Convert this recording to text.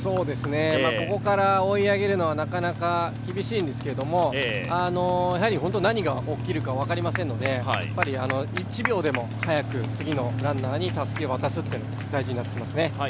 ここから追い上げるのはなかなか厳しいんですけども、何が起きるか分かりませんので、１秒でも速く次のランナーにたすきを渡すというのが大事になってきますね。